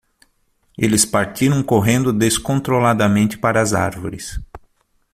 Eles partiram correndo descontroladamente para as árvores.